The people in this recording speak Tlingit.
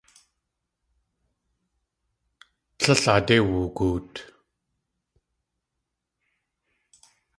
Tlél aadé wugoot.